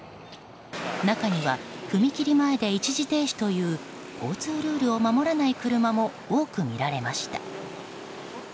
中には、踏切前で一時停止という交通ルールを守らない車も多く見られました。